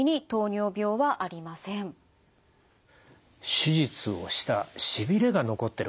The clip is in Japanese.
手術をしたしびれが残ってる。